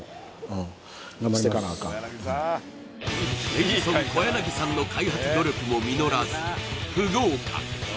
エジソン小柳さんの開発努力も実らず不合格